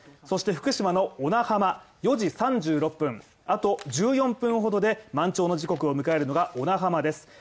そして福島の小名浜４時３６分後１４分ほどで満潮の時刻を迎えるのが、小名浜です